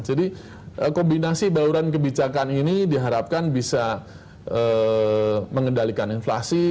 jadi kombinasi bauran kebijakan ini diharapkan bisa mengendalikan inflasi